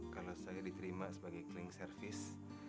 kalau saya diterima sebagai cleaning service